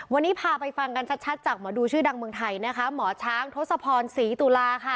วันนี้พาไปฟังกันชัดจากหมอดูชื่อดังเมืองไทยนะคะหมอช้างทศพรศรีตุลาค่ะ